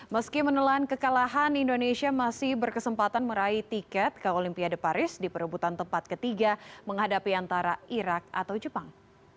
meski menelan kekalahan indonesia masih berkesempatan meraih tiket ke olimpiade paris di perebutan tempat ketiga menghadapi antara irak atau jepang